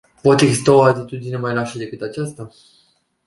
Poate exista o atitudine mai lașă decât aceasta?